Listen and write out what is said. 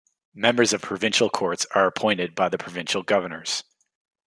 Members of provincial courts are appointed by the provincial governors.